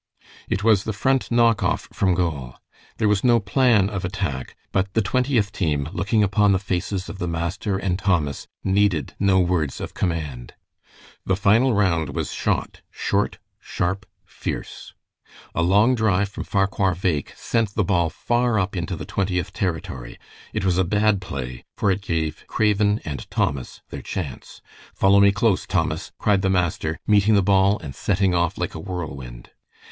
It was the Front knock off from goal. There was no plan of attack, but the Twentieth team, looking upon the faces of the master and Thomas, needed no words of command. The final round was shot, short, sharp, fierce. A long drive from Farquhar Bheg sent the ball far up into the Twentieth territory. It was a bad play, for it gave Craven and Thomas their chance. "Follow me close, Thomas," cried the master, meeting the ball and setting off like a whirlwind.